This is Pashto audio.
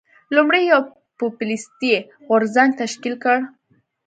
لومړی یو پوپلیستي غورځنګ تشکیل کړ.